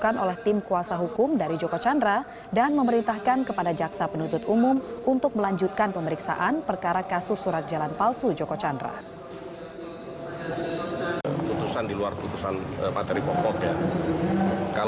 dilakukan oleh tim kuasa hukum dari joko chandra dan memerintahkan kepada jaksa penuntut umum untuk melanjutkan pemeriksaan perkara kasus surat jalan palsu joko chandra